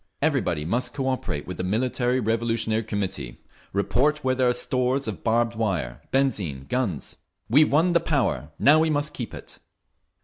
Everybody must cooperate with the Military Revolutionary Committee, report where there are stores of barbed wire, benzine, guns…. We've won the power; now we must keep it!"